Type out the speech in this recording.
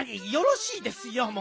よろしいですよ。